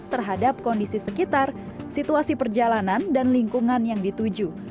terhadap kondisi sekitar situasi perjalanan dan lingkungan yang dituju